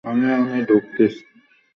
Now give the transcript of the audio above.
আপনি কেন এটা করছেন, নায়না ম্যাডাম?